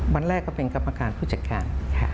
วันแรกก็เป็นกรรมการผู้จัดการ